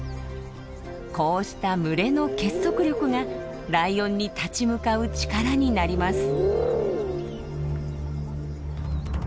こうした群れの結束力がライオンに立ち向かう力になります。